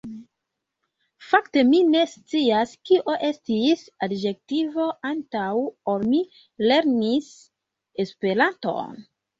Fakte mi ne scias kio estis adjektivo antaŭ ol mi lernis Esperanton.